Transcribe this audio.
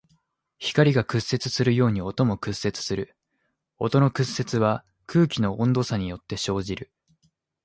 光が屈折するように音も屈折する。音の屈折は空気の温度差によって生じる。